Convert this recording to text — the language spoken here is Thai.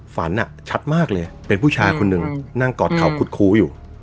ฝันชัดมากเลยเป็นผู้ชายคนหนึ่งนั่งกอดเขาขุดคูอยู่